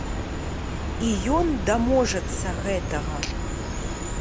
І ён даможацца гэтага.